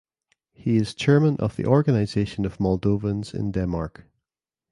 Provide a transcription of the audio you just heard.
He is chairman of the Organization of Moldovans in Denmark.